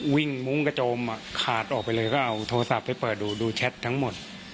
มุ้งกระโจมขาดออกไปเลยก็เอาโทรศัพท์ไปเปิดดูดูแชททั้งหมด